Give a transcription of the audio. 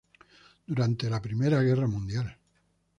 Durante la Primera Guerra Mundial.